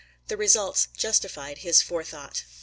The results justified his forethought.